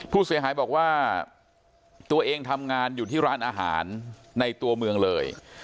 ผู้เสียหายบอกว่าตัวเองทำงานอยู่ที่ร้านอาหารในตัวเมืองเลย